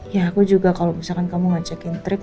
ya aku juga kalau misalkan kamu ngajakin trip